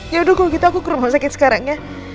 ya udah gua gitu aku ke rumah sakit sekarang ya